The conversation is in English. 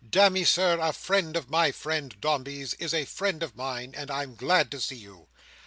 "Damme, Sir, a friend of my friend Dombey's is a friend of mine, and I'm glad to see you!"